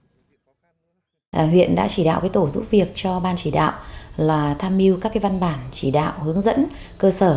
huyện đã chỉ đạo tổ giúp việc cho ban chỉ đạo là tham mưu các văn bản chỉ đạo hướng dẫn cơ sở